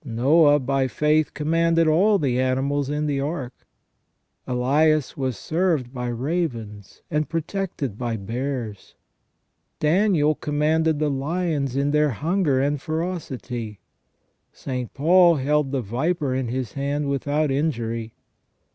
Noah by faith commanded all the animals in the ark. Elias was served by ravens and protected by bears. Daniel commanded the lions in their hunger and ferocity. St. Paul held the viper in his hand without injury.